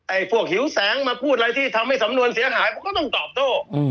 พวกหิวแสงมาพูดอะไรที่ทำให้สำนวนเสียหายผมก็ต้องตอบโต้